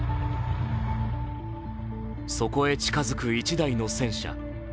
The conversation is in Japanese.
そこへ近づく１台の戦車。